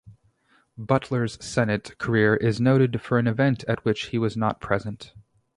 Butler's Senate career is noted for an event at which he was not present.